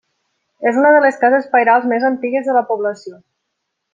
És una de les cases pairals més antigues de la població.